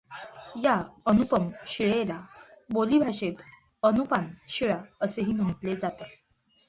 या अनुपम शिळेला बोलीभाषेत अनुपान शिळा असेही म्हटले जाते.